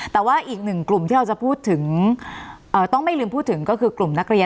แต่ว่าอีกหนึ่งกลุ่มที่เราจะพูดถึงต้องไม่ลืมพูดถึงก็คือกลุ่มนักเรียน